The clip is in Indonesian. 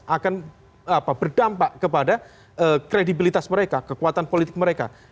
akan berdampak kepada kredibilitas mereka kekuatan politik mereka